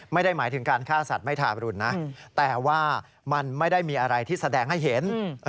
ไม่ได้หมายถึงการฆ่าสัตว์ไม่ทาบรุณนะแต่ว่ามันไม่ได้มีอะไรที่แสดงให้เห็น